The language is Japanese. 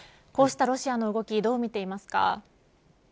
こうしたロシアの動きどうみていますか。